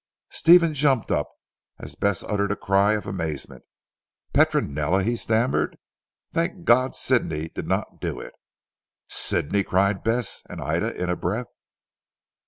Stephen jumped up, as Bess uttered a cry of amazement. "Petronella," he stammered. "Thank God! Sidney did not do it. "Sidney!" cried Bess and Ida in a breath.